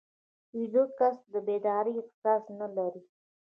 ویده کس د بیدارۍ احساس نه لري